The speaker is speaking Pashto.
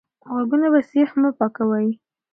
غوږونه په سیخ مه پاکوئ.